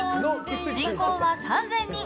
人口は３０００人。